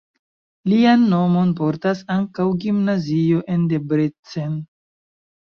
Lian nomon portas ankaŭ gimnazio en Debrecen.